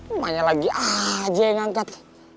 emangnya lagi aja yang angkat